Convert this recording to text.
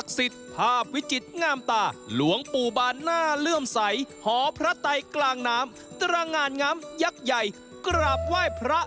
กันที่วัดแห่งนี้ค่ะไปค่ะ